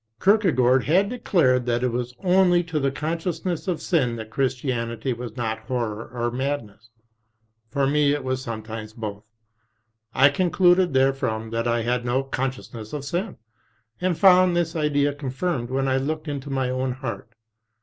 Kierkegaard had declared that it was only to the consciousness of sin that Christianity was not horror or madness. For me it was sometimes both. I concluded therefrom that I had no con sciousness of sin, and found this idea confirmed when I looked into my own heart.